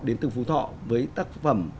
đến từ phú thọ với tác phẩm